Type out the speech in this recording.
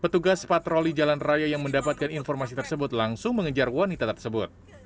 petugas patroli jalan raya yang mendapatkan informasi tersebut langsung mengejar wanita tersebut